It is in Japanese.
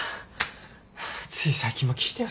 つい最近も聞いたよ